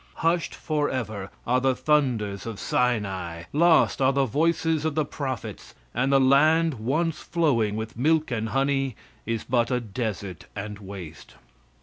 Hushed forever are the thunders of Sinai; lost are the voices of the prophets, and the land once flowing with milk and honey is but a desert and waste.